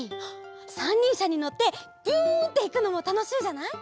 しゃにのってビュンっていくのもたのしいじゃない？